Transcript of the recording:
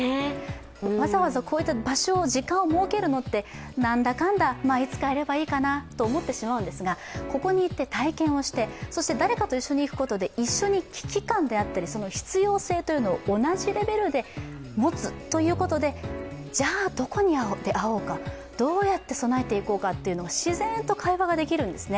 わざわざ場所、時間を設けるのってなんだかんだ、いつかやればいいかなと思ってしまうんですが、ここに行って体験をして、そして誰かと一緒に行くことで一緒に危機感であったり必要性を同じレベルで持つということでじゃ、どこで会おうか、どうやって備えていこうかというのを自然と会話ができるんですね。